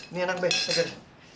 ini anak be segar